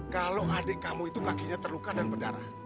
kalau adik kamu itu kakinya terluka dan berdarah